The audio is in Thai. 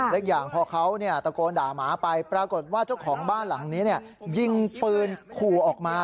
เล็กอย่างพอเขาตะโกนด่าหมาไปปรากฏว่าเจ้าของบ้านหลังนี้ยิงปืนขู่ออกมา